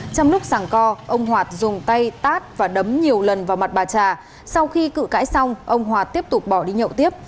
trong lúc sàng co ông hoạt dùng tay tát và đấm nhiều lần vào mặt bà trà sau khi cự cãi xong ông hòa tiếp tục bỏ đi nhậu tiếp